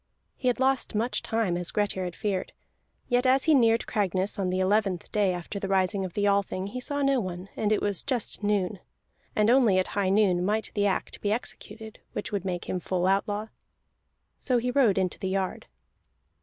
He had lost much time, as Grettir had feared; yet as he neared Cragness on the eleventh day after the rising of the Althing he saw no one, and it was just noon. And only at high noon might the act be executed which would make him full outlaw. So he rode into the yard.